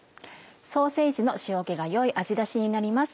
ソーセージの塩気が良い味出しになります。